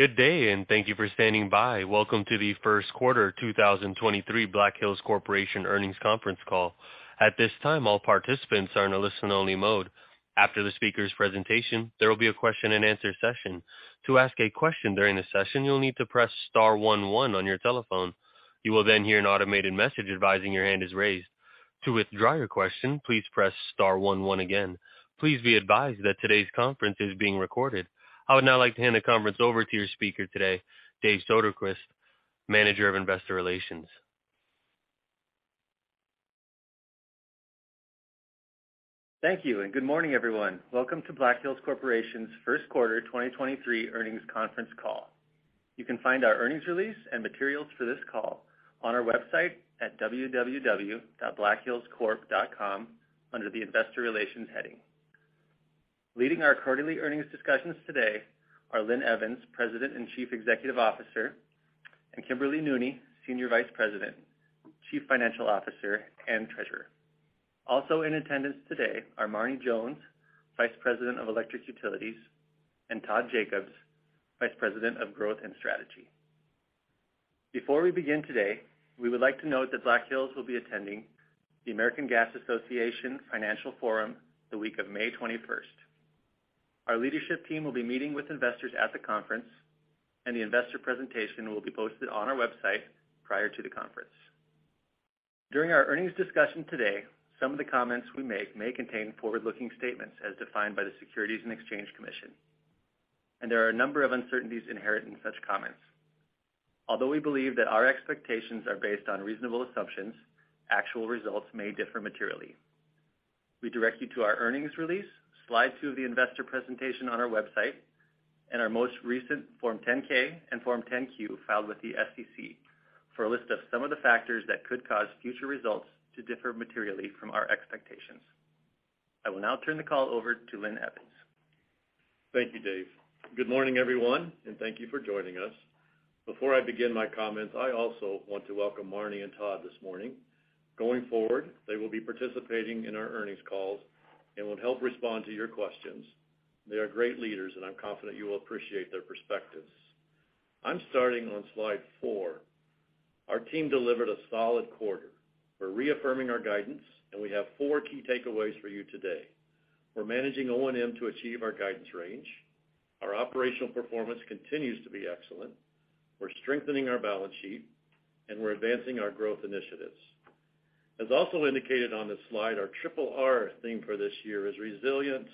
Good day, thank you for standing by. Welcome to the Q1 2023 Black Hills Corporation earnings conference call. At this time, all participants are in a listen-only-mode. After the speaker's presentation, there will be a question-and-answer session. To ask a question during the session, you'll need to press star one one on your telephone. You will hear an automated message advising your hand is raised. To withdraw your question, please press star one one again. Please be advised that today's conference is being recorded. I would now like to hand the conference over to your speaker today, Dave Soderquist, Manager of Investor Relations. Thank you. Good morning, everyone. Welcome to Black Hills Corporation's Q1 2023 earnings conference call. You can find our earnings release and materials for this call on our website at www.blackhillscorp.com under the Investor Relations heading. Leading our quarterly earnings discussions today are Linn Evans, President and Chief Executive Officer, and Kimberly Nugen, Senior Vice President, Chief Financial Officer, and Treasurer. Also in attendance today are Marne Jones, Vice President of Electric Utilities, and Todd Jacobs, Vice President of Growth and Strategy. Before we begin today, we would like to note that Black Hills will be attending the American Gas Association Financial Forum the week of May 21st. Our leadership team will be meeting with investors at the conference. The investor presentation will be posted on our website prior to the conference. During our earnings discussion today, some of the comments we make may contain forward-looking statements as defined by the Securities and Exchange Commission. There are a number of uncertainties inherent in such comments. Although we believe that our expectations are based on reasonable assumptions, actual results may differ materially. We direct you to our earnings release, slide two of the investor presentation on our website, and our most recent Form 10-K and Form 10-Q filed with the SEC for a list of some of the factors that could cause future results to differ materially from our expectations. I will now turn the call over to Linn Evans. Thank you, Dave. Good morning, everyone. Thank you for joining us. Before I begin my comments, I also want to welcome Marne and Todd this morning. Going forward, they will be participating in our earnings calls and will help respond to your questions. They are great leaders. I'm confident you will appreciate their perspectives. I'm starting on slide 4. Our team delivered a solid quarter. We're reaffirming our guidance. We have 4 key takeaways for you today. We're managing O&M to achieve our guidance range. Our operational performance continues to be excellent. We're strengthening our balance sheet. We're advancing our growth initiatives. As also indicated on this slide, our triple R theme for this year is resilient,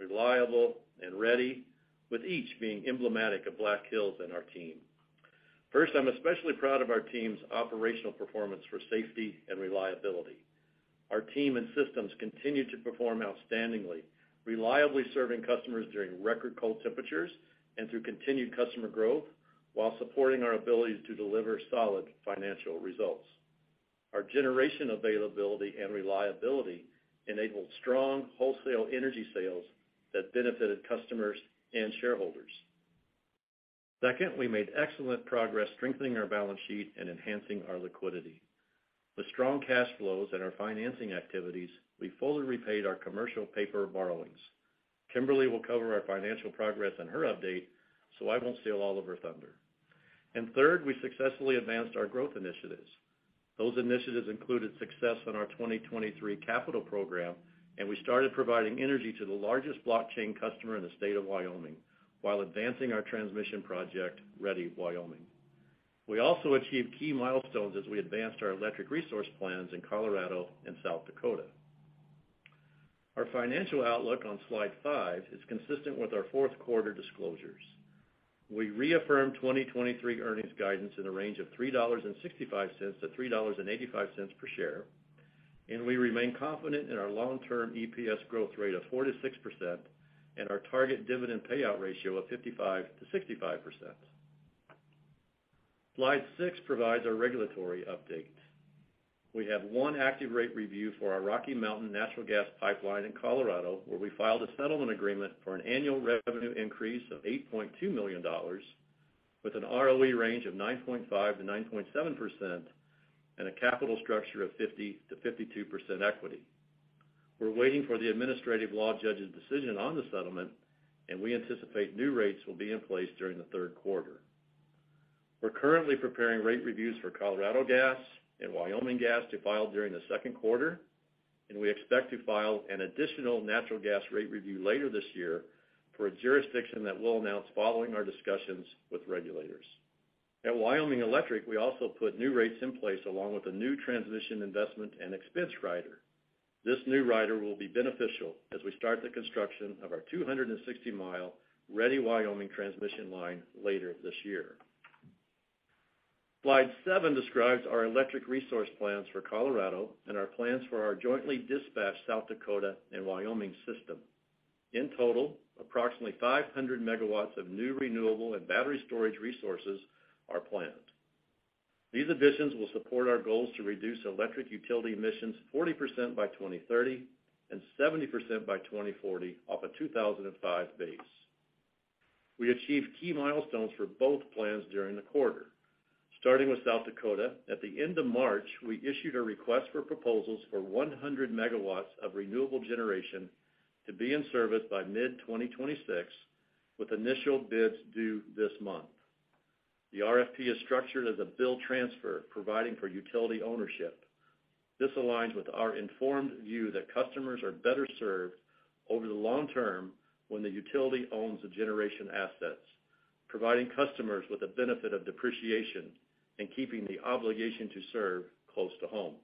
reliable, and ready, with each being emblematic of Black Hills and our team. First, I'm especially proud of our team's operational performance for safety and reliability. Our team and systems continue to perform outstandingly, reliably serving customers during record cold temperatures and through continued customer growth while supporting our ability to deliver solid financial results. Our generation availability and reliability enabled strong wholesale energy sales that benefited customers and shareholders. Second, we made excellent progress strengthening our balance sheet and enhancing our liquidity. With strong cash flows and our financing activities, we fully repaid our commercial paper borrowings. Kimberly will cover our financial progress in her update. I won't steal all of her thunder. Third, we successfully advanced our growth initiatives. Those initiatives included success on our 2023 capital program. We started providing energy to the largest blockchain customer in the state of Wyoming while advancing our transmission project, Ready Wyoming. We also achieved key milestones as we advanced our electric resource plans in Colorado and South Dakota. Our financial outlook on slide five is consistent with our Q4 disclosures. We reaffirm 2023 earnings guidance in a range of $3.65-$3.85 per share, and we remain confident in our long-term EPS growth rate of 4%-6% and our target dividend payout ratio of 55%-65%. Slide six provides our regulatory updates. We have one active rate review for our Rocky Mountain Natural Gas Pipeline in Colorado, where we filed a settlement agreement for an annual revenue increase of $8.2 million with an ROE range of 9.5%-9.7% and a capital structure of 50%-52% equity. We're waiting for the administrative law judge's decision on the settlement, and we anticipate new rates will be in place during the Q3. We're currently preparing rate reviews for Colorado Gas and Wyoming Gas to file during the Q2. We expect to file an additional natural gas rate review later this year for a jurisdiction that we'll announce following our discussions with regulators. At Wyoming Electric, we also put new rates in place along with a new transmission investment and expense rider. This new rider will be beneficial as we start the construction of our 260-mile Ready Wyoming transmission line later this year. Slide 7 describes our electric resource plans for Colorado and our plans for our jointly dispatched South Dakota and Wyoming system. In total, approximately 500 megawatts of new renewable and battery storage resources are planned. These additions will support our goals to reduce electric utility emissions 40% by 2030 and 70% by 2040 off a 2005 base. We achieved key milestones for both plans during the quarter. Starting with South Dakota, at the end of March, we issued a request for proposals for 100 megawatts of renewable generation to be in service by mid-2026, with initial bids due this month. The RFP is structured as a build-transfer, providing for utility ownership. This aligns with our informed view that customers are better served over the long term when the utility owns the generation assets, providing customers with the benefit of depreciation and keeping the obligation to serve close to home.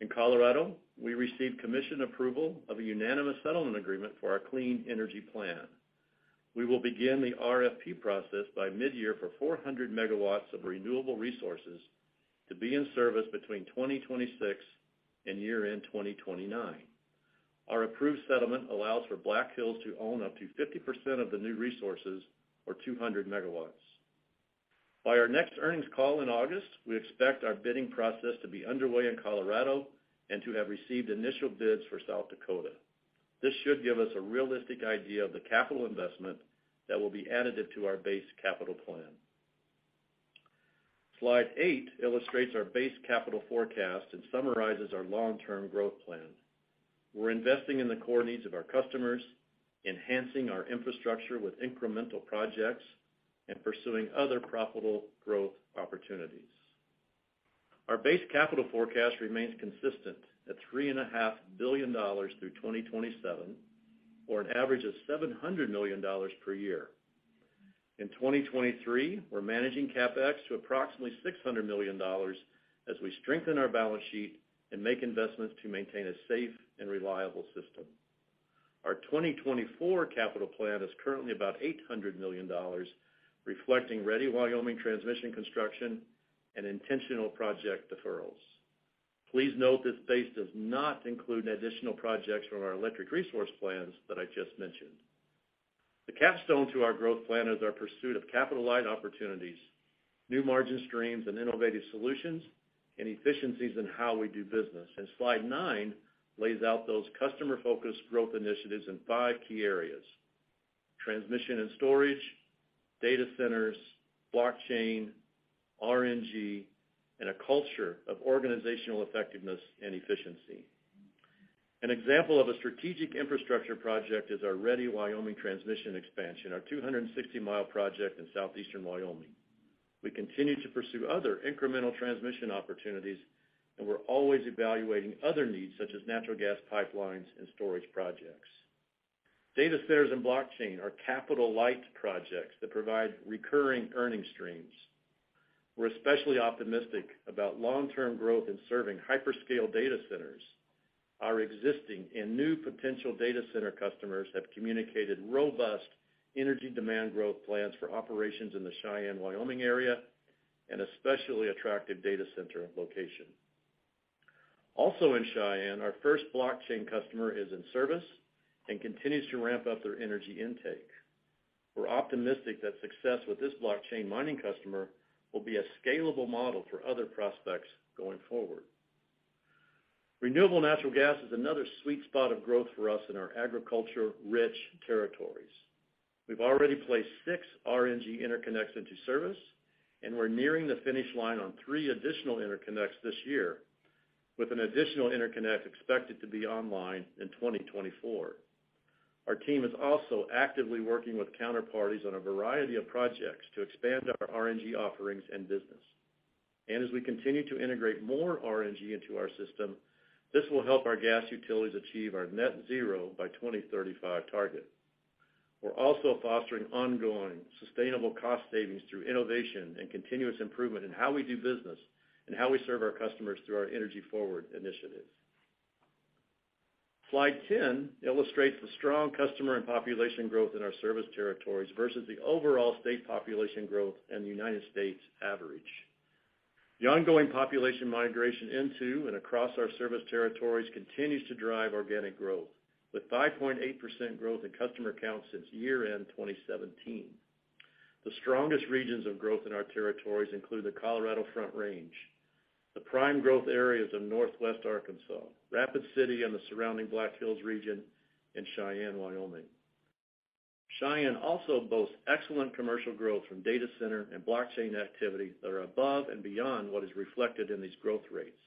In Colorado, we received commission approval of a unanimous settlement agreement for our Clean Energy Plan. We will begin the RFP process by mid-year for 400 megawatts of renewable resources to be in service between 2026 and year-end 2029. Our approved settlement allows for Black Hills to own up to 50% of the new resources or 200 megawatts. By our next earnings call in August, we expect our bidding process to be underway in Colorado and to have received initial bids for South Dakota. This should give us a realistic idea of the capital investment that will be additive to our base capital plan. Slide 8 illustrates our base capital forecast and summarizes our long-term growth plan. We're investing in the core needs of our customers, enhancing our infrastructure with incremental projects, and pursuing other profitable growth opportunities. Our base capital forecast remains consistent at $3.5 billion through 2027, or an average of $700 million per year. In 2023, we're managing CapEx to approximately $600 million as we strengthen our balance sheet and make investments to maintain a safe and reliable system. Our 2024 capital plan is currently about $800 million, reflecting Ready Wyoming transmission construction and intentional project deferrals. Please note this base does not include additional projects from our electric resource plans that I just mentioned. The capstone to our growth plan is our pursuit of capital-light opportunities, new margin streams and innovative solutions, and efficiencies in how we do business. Slide 9 lays out those customer-focused growth initiatives in five key areas: transmission and storage, data centers, blockchain, RNG, and a culture of organizational effectiveness and efficiency. An example of a strategic infrastructure project is our Ready Wyoming Transmission Expansion, our 260-mile project in southeastern Wyoming. We continue to pursue other incremental transmission opportunities, and we're always evaluating other needs such as natural gas pipelines and storage projects. Data centers and blockchain are capital-light projects that provide recurring earning streams. We're especially optimistic about long-term growth in serving hyperscale data centers. Our existing and new potential data center customers have communicated robust energy demand growth plans for operations in the Cheyenne, Wyoming area, an especially attractive data center location. Also in Cheyenne, our first blockchain customer is in service and continues to ramp up their energy intake. We're optimistic that success with this blockchain mining customer will be a scalable model for other prospects going forward. Renewable natural gas is another sweet spot of growth for us in our agriculture-rich territories. We've already placed 6 RNG interconnects into service. We're nearing the finish line on 3 additional interconnects this year, with an additional interconnect expected to be online in 2024. Our team is also actively working with counterparties on a variety of projects to expand our RNG offerings and business. As we continue to integrate more RNG into our system, this will help our gas utilities achieve our net zero by 2035 target. We're also fostering ongoing sustainable cost savings through innovation and continuous improvement in how we do business and how we serve our customers through our Energy Forward initiative. Slide 10 illustrates the strong customer and population growth in our service territories versus the overall state population growth and the United States average. The ongoing population migration into and across our service territories continues to drive organic growth, with 5.8% growth in customer counts since year-end 2017. The strongest regions of growth in our territories include the Colorado Front Range, the prime growth areas of Northwest Arkansas, Rapid City and the surrounding Black Hills region, and Cheyenne, Wyoming. Cheyenne also boasts excellent commercial growth from data center and blockchain activities that are above and beyond what is reflected in these growth rates.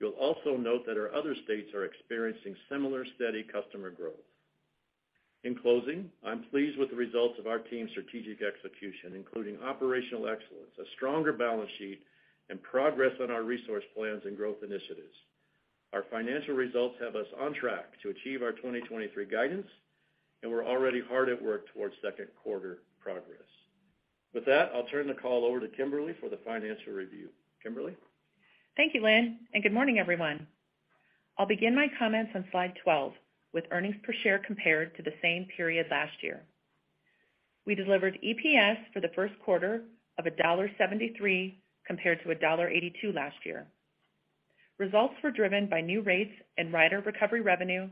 You'll also note that our other states are experiencing similar steady customer growth. In closing, I'm pleased with the results of our team's strategic execution, including operational excellence, a stronger balance sheet, and progress on our resource plans and growth initiatives. Our financial results have us on track to achieve our 2023 guidance, and we're already hard at work towards Q2 progress. With that, I'll turn the call over to Kimberly for the financial review. Kimberly? Thank you, Linn. Good morning, everyone. I'll begin my comments on slide 12 with earnings per share compared to the same period last year. We delivered EPS for the Q1 of $1.73 compared to $1.82 last year. Results were driven by new rates and rider recovery revenue,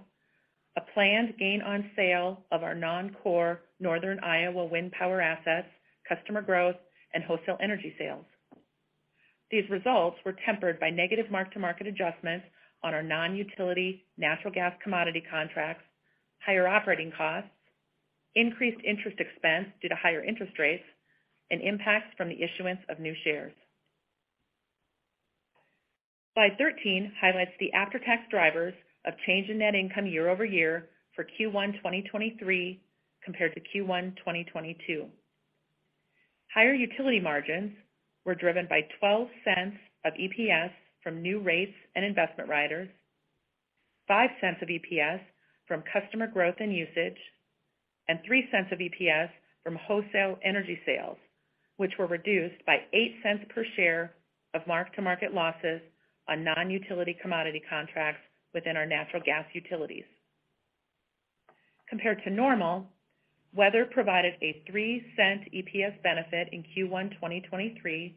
a planned gain on sale of our non-core northern Iowa wind power assets, customer growth, and wholesale energy sales. These results were tempered by negative mark-to-market adjustments on our non-utility natural gas commodity contracts, higher operating costs, increased interest expense due to higher interest rates, and impacts from the issuance of new shares. Slide 13 highlights the after-tax drivers of change in net income year-over-year for Q1 2023 compared to Q1 2022. Higher utility margins were driven by $0.12 of EPS from new rates and investment riders, $0.05 of EPS from customer growth and usage, and $0.03 of EPS from wholesale energy sales, which were reduced by $0.08 per share of mark-to-market losses on non-utility commodity contracts within our natural gas utilities. Compared to normal, weather provided a $0.03 EPS benefit in Q1 2023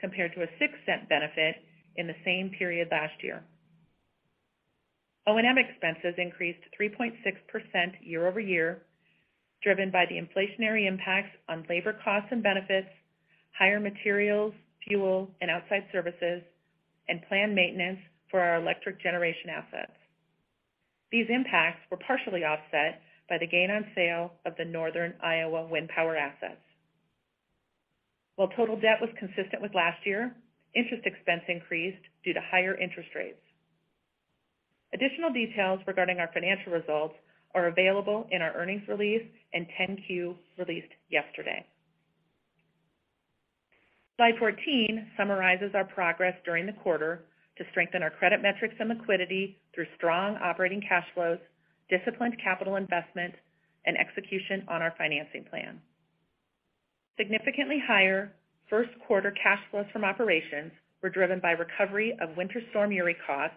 compared to a $0.06 benefit in the same period last year. O&M expenses increased 3.6% year-over-year, driven by the inflationary impacts on labor costs and benefits, higher materials, fuel, and outside services, and planned maintenance for our electric generation assets. These impacts were partially offset by the gain on sale of the Northern Iowa wind power assets. While total debt was consistent with last year, interest expense increased due to higher interest rates. Additional details regarding our financial results are available in our earnings release and 10-Q released yesterday. Slide 14 summarizes our progress during the quarter to strengthen our credit metrics and liquidity through strong operating cash flows, disciplined capital investment, and execution on our financing plan. Significantly higher Q1 cash flows from operations were driven by recovery of Winter Storm Uri costs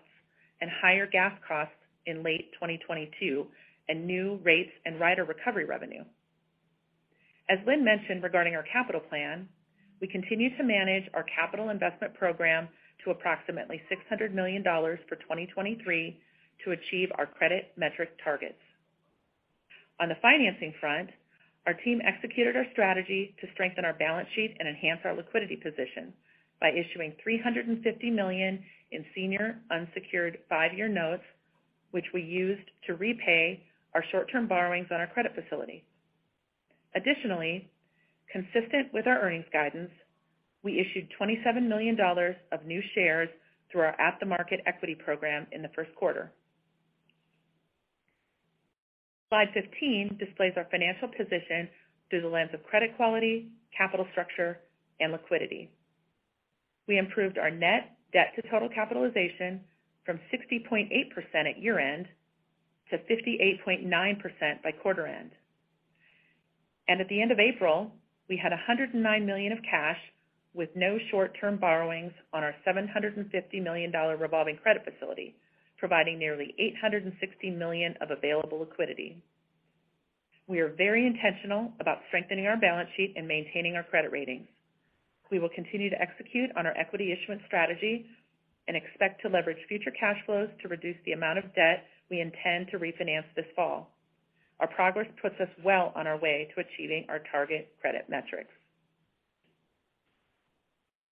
and higher gas costs in late 2022 and new rates and rider recovery revenue. As Linn mentioned regarding our capital plan, we continue to manage our capital investment program to approximately $600 million for 2023 to achieve our credit metric targets. On the financing front, our team executed our strategy to strengthen our balance sheet and enhance our liquidity position by issuing $350 million in senior unsecured five-year notes, which we used to repay our short-term borrowings on our credit facility. Additionally, consistent with our earnings guidance, we issued $27 million of new shares through our at-the-market equity program in the Q1. Slide 15 displays our financial position through the lens of credit quality, capital structure, and liquidity. We improved our net debt to total capitalization from 60.8% at year-end to 58.9% by quarter end. At the end of April, we had $109 million of cash with no short-term borrowings on our $750 million revolving credit facility, providing nearly $860 million of available liquidity. We are very intentional about strengthening our balance sheet and maintaining our credit ratings. We will continue to execute on our equity issuance strategy and expect to leverage future cash flows to reduce the amount of debt we intend to refinance this fall. Our progress puts us well on our way to achieving our target credit metrics.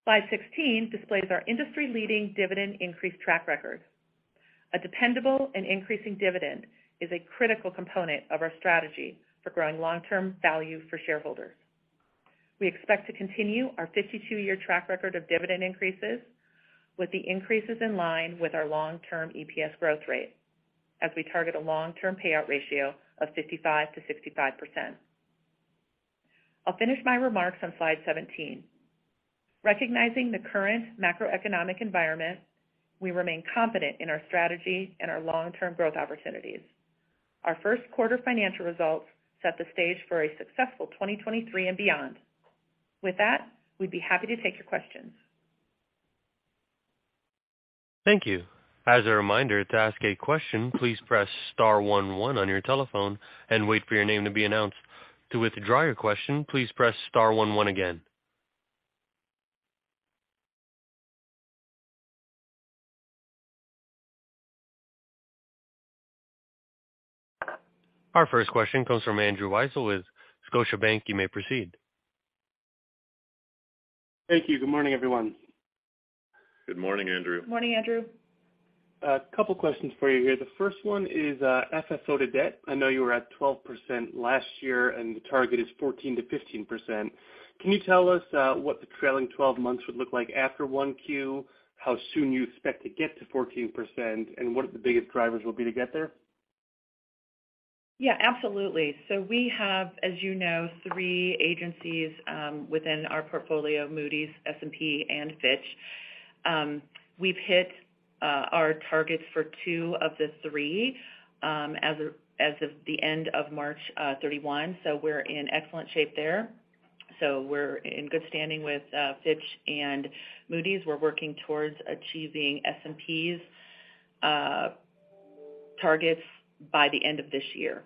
Slide 16 displays our industry-leading dividend increase track record. A dependable and increasing dividend is a critical component of our strategy for growing long-term value for shareholders. We expect to continue our 52-year track record of dividend increases, with the increases in line with our long-term EPS growth rate as we target a long-term payout ratio of 55%-65%. I'll finish my remarks on slide 17. Recognizing the current macroeconomic environment, we remain confident in our strategy and our long-term growth opportunities. Our Q1 financial results set the stage for a successful 2023 and beyond. We'd be happy to take your questions. Thank you. As a reminder to ask a question, please press star one one on your telephone and wait for your name to be announced. To withdraw your question, please press star one one again. Our first question comes from Andrew Weisel with Scotiabank. You may proceed. Thank you. Good morning, everyone. Good morning, Andrew. Morning, Andrew. A couple questions for you here. The first one is FFO to debt. I know you were at 12% last year and the target is 14%-15%. Can you tell us what the trailing 12 months would look like after 1Q, how soon you expect to get to 14%, and what are the biggest drivers will be to get there? Absolutely. We have, as you know, three agencies within our portfolio, Moody's, S&P, and Fitch. We've hit our targets for two of the three, as of the end of March 31, so we're in excellent shape there. We're in good standing with Fitch and Moody's. We're working towards achieving S&P's targets by the end of this year.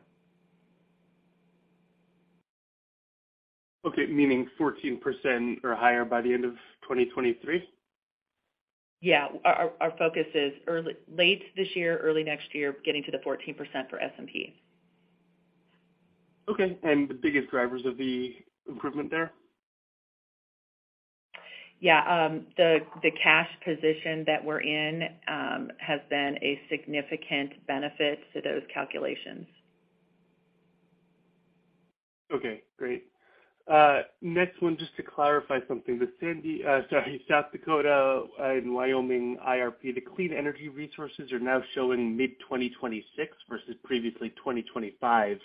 Okay. Meaning 14% or higher by the end of 2023? Yeah. Our focus is late this year, early next year, getting to the 14% for S&P. Okay. The biggest drivers of the improvement there? Yeah. The, the cash position that we're in, has been a significant benefit to those calculations. Okay, great. next one, just to clarify something. sorry, South Dakota and Wyoming IRP, the clean energy resources are now showing mid-2026 versus previously 2025.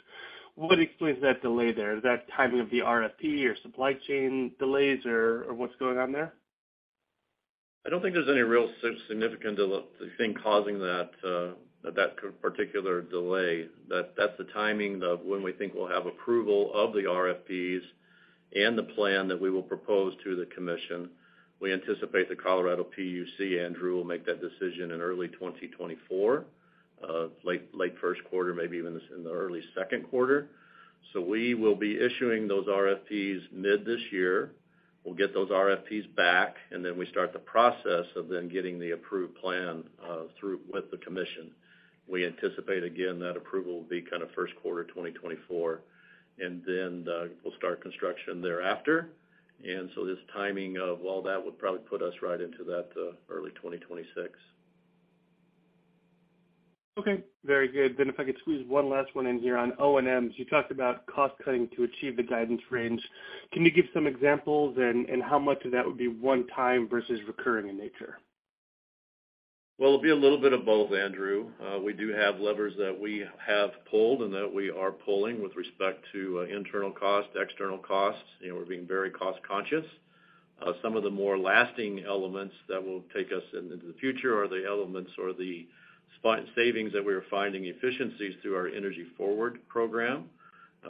What explains that delay there? Is that timing of the RFP or supply chain delays or what's going on there? I don't think there's any real significant delay causing that particular delay. That's the timing of when we think we'll have approval of the RFPs and the plan that we will propose to the commission. We anticipate the Colorado PUC, Andrew, will make that decision in early 2024, late Q1, maybe even in the early Q2. We will be issuing those RFPs mid this year. We'll get those RFPs back, we start the process of then getting the approved plan through with the commission. We anticipate, again, that approval will be kind of Q1 of 2024, we'll start construction thereafter. This timing of all that would probably put us right into that early 2026. Okay. Very good. If I could squeeze one last one in here on O&Ms. You talked about cost-cutting to achieve the guidance range. Can you give some examples and how much of that would be one time versus recurring in nature? Well, it'll be a little bit of both, Andrew. We do have levers that we have pulled and that we are pulling with respect to internal costs, external costs. You know, we're being very cost-conscious. Some of the more lasting elements that will take us in, into the future are the elements or the savings that we are finding efficiencies through our Green Forward program.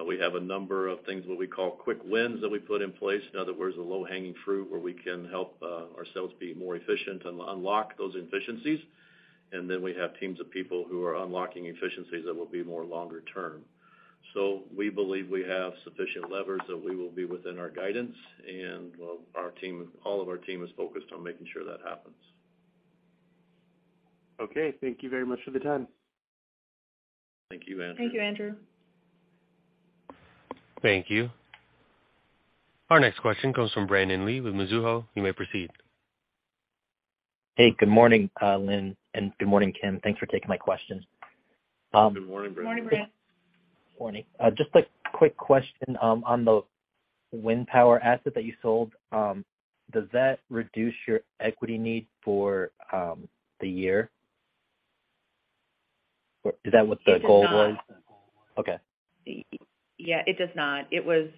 We have a number of things, what we call quick wins that we put in place. In other words, the low-hanging fruit where we can help ourselves be more efficient and unlock those efficiencies. Then we have teams of people who are unlocking efficiencies that will be more longer term. We believe we have sufficient levers that we will be within our guidance, and our team, all of our team is focused on making sure that happens. Okay. Thank you very much for the time. Thank you, Andrew. Thank you, Andrew. Thank you. Our next question comes from Brandon Lee with Mizuho. You may proceed. Hey, good morning, Linn, and good morning, Kim. Thanks for taking my questions. Good morning, Brandon. Morning, Brandon. Morning. Just a quick question on the wind power asset that you sold. Does that reduce your equity need for the year? Is that what the goal was? It does not. Okay. Yeah, it does not. It was,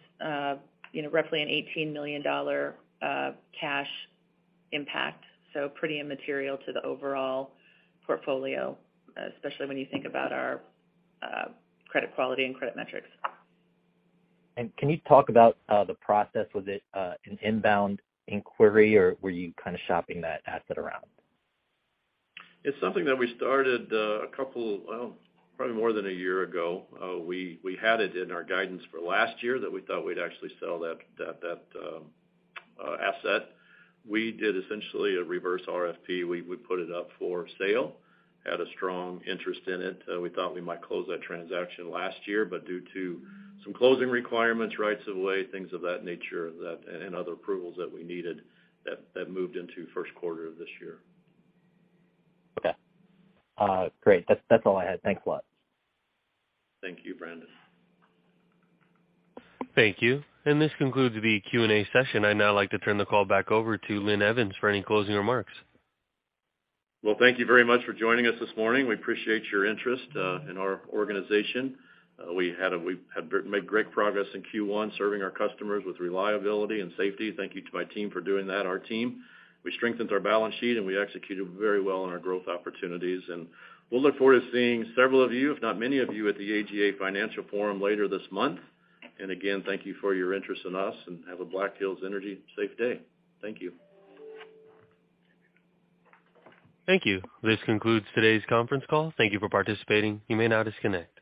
you know, roughly an $18 million cash impact, so pretty immaterial to the overall portfolio, especially when you think about our, credit quality and credit metrics. Can you talk about the process? Was it an inbound inquiry, or were you kind of shopping that asset around? It's something that we started, 2, well, probably more than 1 year ago. We had it in our guidance for last year that we thought we'd actually sell that asset. We did essentially a reverse RFP. We put it up for sale, had a strong interest in it. We thought we might close that transaction last year, but due to some closing requirements, rights-of-way, things of that nature, that, and other approvals that we needed that moved into Q1 of this year. Okay. great. That's all I had. Thanks a lot. Thank you, Brandon. Thank you. This concludes the Q&A session. I'd now like to turn the call back over to Linn Evans for any closing remarks. Well, thank you very much for joining us this morning. We appreciate your interest in our organization. We have made great progress in Q1, serving our customers with reliability and safety. Thank you to my team for doing that, our team. We strengthened our balance sheet, and we executed very well on our growth opportunities. We'll look forward to seeing several of you, if not many of you, at the AGA Financial Forum later this month. Again, thank you for your interest in us, and have a Black Hills Energy safe day. Thank you. Thank you. This concludes today's conference call. Thank you for participating. You may now disconnect.